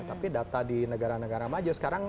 tapi data di negara negara maju sekarang